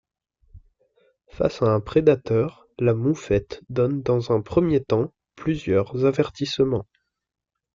Face à un prédateur, la moufette donne, dans un premier temps, plusieurs avertissements.